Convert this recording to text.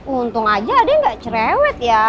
untung aja deh nggak cerewet ya